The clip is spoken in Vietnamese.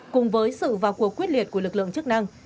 cùng với sự vào cuộc quyết liệt của lực lượng chức năng